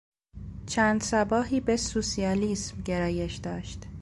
چند صباحی به سوسیالیسم گرایش داشت.